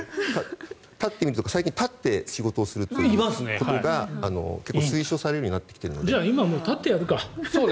立って見るとか最近立って仕事をするということが結構推奨されるようになってきているので。